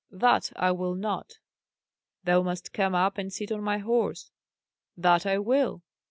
"That I will not." "Thou must come up and sit on my horse." "That I will."